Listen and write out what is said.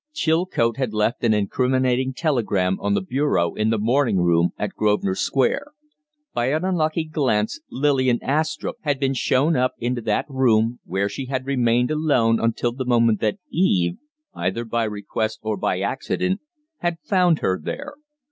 Chilcote had left an incriminating telegram on the bureau in the morning room at Grosvenor Square; by an unlucky chance Lillian Astrupp had been shown up into that room, where she had remained alone until the moment that Eve, either by request or by accident, had found her there.